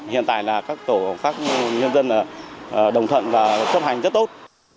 hiện tại là các tổ các nhân dân đồng thuận và chấp hành rất tốt